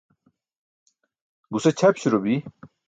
Guse ćʰap śuro bi.